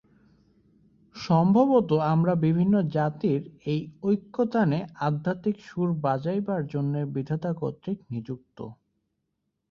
সম্ভবত আমরা বিভিন্ন জাতির এই ঐক্যতানে আধ্যাত্মিক সুর বাজাইবার জন্য বিধাতা কর্তৃক নিযুক্ত।